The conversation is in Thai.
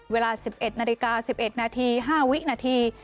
เวลา๑๑นาฬิกา๑๑นาที๕วินาที